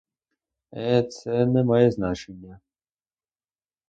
Е, це не має значення.